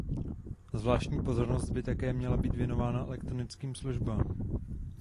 Zvláštní pozornost by také měla být věnována elektronickým službám.